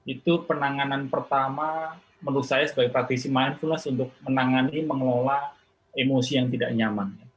itu penanganan pertama menurut saya sebagai praktisi mindfulness untuk menangani mengelola emosi yang tidak nyaman